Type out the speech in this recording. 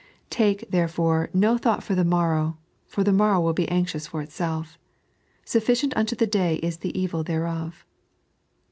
"Take, therefore, no thought for the morrow, for the morrow will be anxious for itself. Sufficient unto the day is the evil thereof."